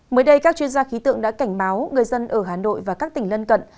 mới đây các chuyên gia khí tượng đã cảnh báo người dân ở hà nội và các tỉnh lân cận